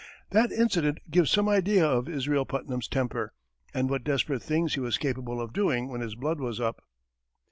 That incident gives some idea of Israel Putnam's temper, and what desperate things he was capable of doing when his blood was up.